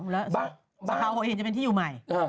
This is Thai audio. สาวหัวหินจะเป็นที่อยู่ใหม่